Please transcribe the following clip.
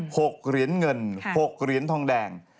หกเหรียญเงินหกเหรียญทองแดง